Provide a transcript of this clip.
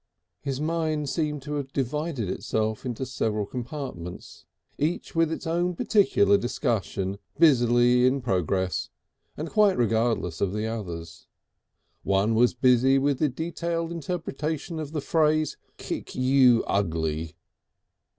His mind seemed to have divided itself into several compartments, each with its own particular discussion busily in progress, and quite regardless of the others. One was busy with the detailed interpretation of the phrase "Kick you ugly."